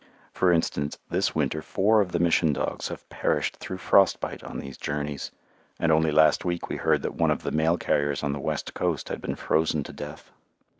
For instance, this winter four of the Mission dogs have perished through frost bite on these journeys; and only last week we heard that one of the mail carriers on the west coast had been frozen to death.